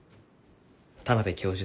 田邊教授